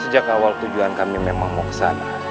sejak awal tujuan kami memang mau ke sana